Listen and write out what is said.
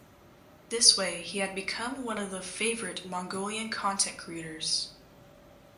This way he had become one of the favourite Mongolian content creators.